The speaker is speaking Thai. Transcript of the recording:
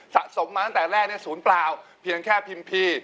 สะสมมาตั้งแต่แรกศูนย์เปล่าเพียงแค่พิมพี